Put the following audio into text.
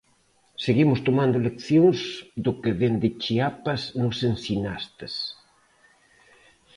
Seguimos tomando leccións do que dende Chiapas nos ensinastes.